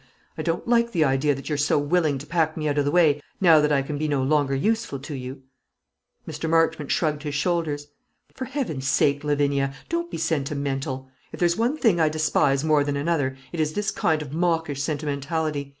I don't like the idea that you're so willing to pack me out of the way now that I can be no longer useful to you." Mr. Marchmont shrugged his shoulders. "For Heaven's sake, Lavinia, don't be sentimental. If there's one thing I despise more than another, it is this kind of mawkish sentimentality.